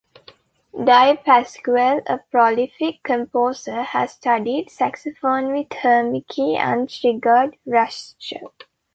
Di Pasquale, a prolific composer, had studied saxophone with Hemke and Sigurd Rascher.